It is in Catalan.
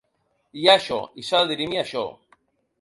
Hi ha això, i s’ha de dirimir això.